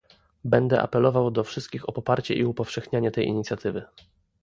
Będę apelował do wszystkich o poparcie i upowszechnianie tej inicjatywy